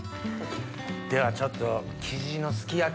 ではちょっとキジのすき焼き。